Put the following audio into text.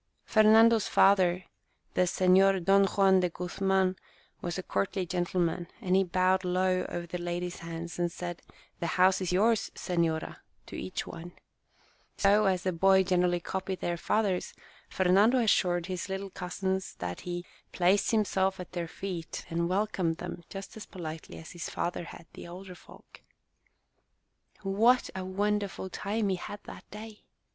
Fernando's father, the Senor Don Juan de Guzman, was a courtly gentleman, and he bowed low over the ladies' hands, and said, " The house is yours, senora !" to each one ; so, as boys generally copy their fathers, Fer nando assured his little cousins that he " placed himself at their feet," and welcomed them just as politely as his father had the older folk. What a wonderful time he had that day